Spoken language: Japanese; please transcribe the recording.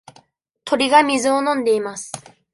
鳥が水を飲んでいます。